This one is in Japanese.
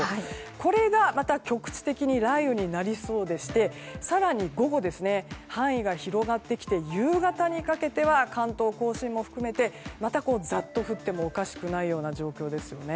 これがまた局地的に雷雨になりそうでして更に、午後に範囲が広がってきて夕方にかけては関東・甲信も含めてまたザッと降ってもおかしくないような状況ですね。